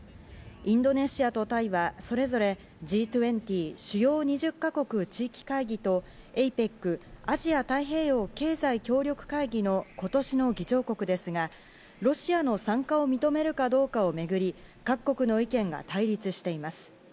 インドネシアとタイはそれぞれＧ２０＝主要２０か国・地域会議とＡＰＥＣ＝アジア太平洋経済協力会議の今年の議長国ですが、ロシアの参加を認めるかどうかをめぐり、各国の意見が対立しています。